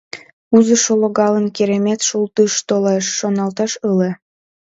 «Узыжо логалын, керемет, шулдыш толеш!» — шоналтен ыле.